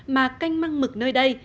mà canh măng mực nơi đây